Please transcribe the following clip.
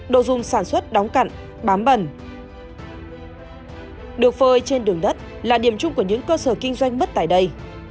đồ dùng sản xuất đóng cặn bám bẩn được phơi trên đường đất là điểm chung của những cơ sở kinh doanh mất tại đây